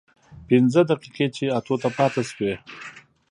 پينځه دقيقې چې اتو ته پاتې سوې.